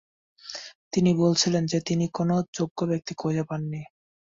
তিনি বলেছিলেন যে তিনি কোনও যোগ্য ব্যক্তি খুঁজে পাননি।